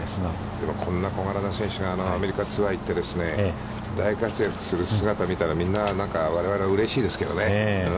でも、こんな小柄な選手がアメリカツアーに行って、大活躍する姿を見たらみんな、我々はうれしいですけどね。